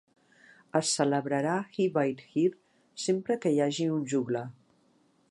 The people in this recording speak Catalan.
Es celebrarà Hyveidd Hir sempre que hi hagi un joglar.